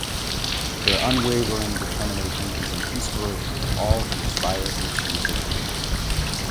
Their unwavering determination is an inspiration to all who aspire to achieve their dreams.